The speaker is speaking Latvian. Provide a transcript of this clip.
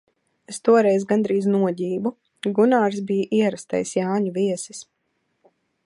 Es toreiz gandrīz noģību. Gunārs bija ierastais Jāņu viesis.